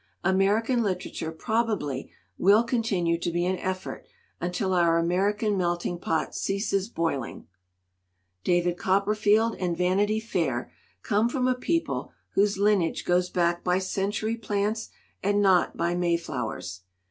American literature prob 249 LITERATURE IN THE MAKING ably will continue to be an effort until our Ameri can melting pot ceases boiling. "David Copper field and Vanity Fair come from a people whose lineage goes back by century plants and not by Mayflowers.